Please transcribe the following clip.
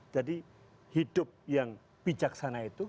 jadi hidup yang bijaksana itu